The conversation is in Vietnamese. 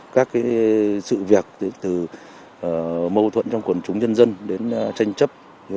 các sự việc từ mâu thuẫn trong quần chúng nhân dân đến tranh chấp